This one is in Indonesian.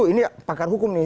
ini pakar hukum nih